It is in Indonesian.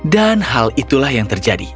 dan hal itulah yang terjadi